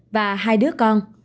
và hai đứa con